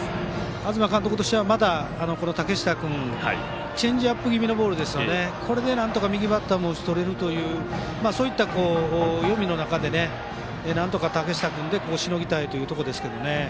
東監督としてはまだ竹下君チェンジアップ気味のボールでこれでなんとか右バッターも打ち取れるというそういった読みの中でなんとか竹下君でしのぎたいところですね。